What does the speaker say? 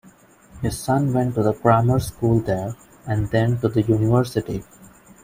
His son went to the grammar school there, and then to the university.